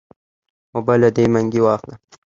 اوبۀ له دې منګي واخله